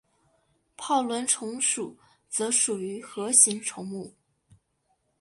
泡轮虫属则属于核形虫目。